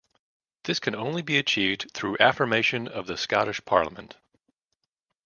This can only be achieved through affirmation of the Scottish Parliament.